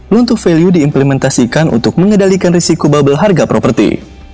loan to value diimplementasikan untuk mengedalikan risiko bubble harga properti